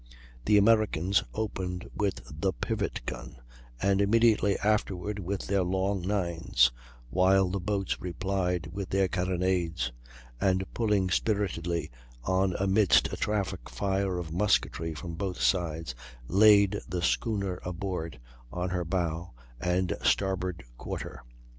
The Americans opened with the pivot gun, and immediately afterward with their long 9's, while the boats replied with their carronades, and, pulling spiritedly on amidst a terrific fire of musketry from both sides, laid the schooner aboard on her bow and starboard quarter.